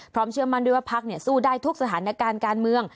เชื่อมั่นด้วยว่าพักสู้ได้ทุกสถานการณ์การเมือง